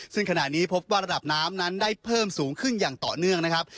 ซึ่งขณะนี้พบว่าระดับน้ำนั้นได้เพิ่มสูงขึ้นอย่างต่อเนื่องนะครับ